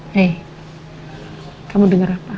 hei kamu dengar apa